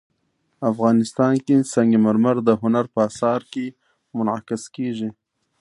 افغانستان کې سنگ مرمر د هنر په اثار کې منعکس کېږي.